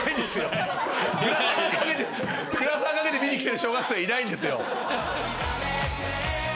グラサンかけて見に来てる小学生いないんですよ。